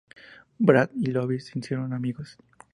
Brandt y Lovitz se hicieron amigos.